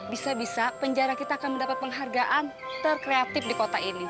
bisa bisa penjara kita akan mendapat penghargaan terkreatif di kota ini